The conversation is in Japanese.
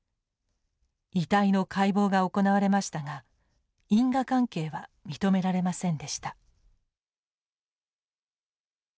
遺体の解剖が行われましたが因果関係は認められませんでした。